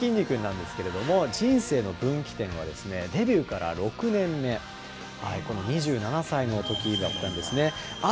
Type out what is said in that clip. そんなきんに君なんですけれども、人生の分岐点はデビューから６年目、この２７歳のときだったんですね。